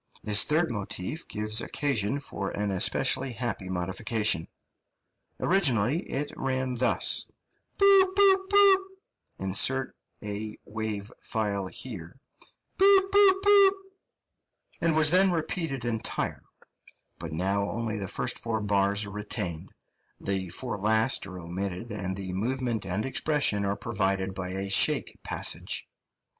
This third motif gives occasion for an especially happy modification. Originally it ran thus [See Page Image] and was then repeated entire; but now only the first four bars are retained, the four last are omitted, and movement and expression are provided by a shake passage.